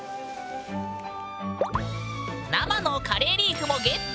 生のカレーリーフもＧＥＴ！